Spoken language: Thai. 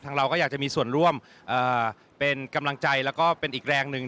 เราก็อยากจะมีส่วนร่วมเป็นกำลังใจแล้วก็เป็นอีกแรงหนึ่ง